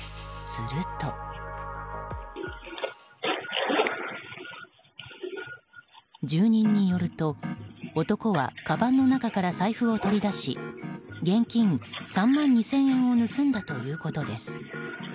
住人によると、男はかばんの中から財布を取り出し現金３万２０００円を盗んだということです。